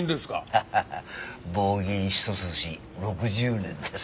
ハハハ棒銀一筋６０年でさ。